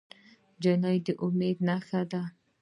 نجلۍ د امید نښه ده.